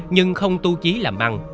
nhưng không tu chí làm ăn